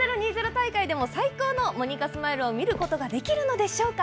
大会でも最高のモニカスマイルを見ることができるのでしょうか。